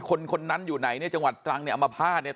คนคนนั้นอยู่ไหนจังหวัดตรังอำมะพาดเนี่ย